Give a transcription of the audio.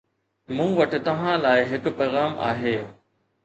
مون وٽ توهان لاءِ هڪ پيغام آهي